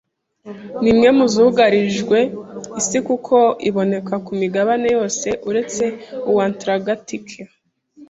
Ni imwe mu zugarije Isi kuko iboneka ku migabane yose uretse uwa Antaragitika.